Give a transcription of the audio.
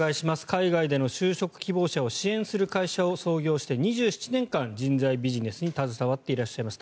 海外での就職希望者を支援する会社を創業して２７年間、人材ビジネスに携わっていらっしゃいます